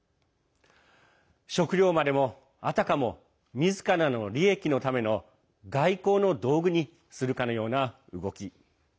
食料までも、あたかもみずからの利益のための外交の道具にするかのような動き。